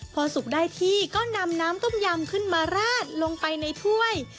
พอสุกได้ที่ก็นำน้ำต้มยำขึ้นมาราดลงไปในถ้วย